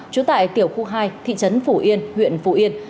trú tại tiểu khu hai thị trấn phủ yên huyện phù yên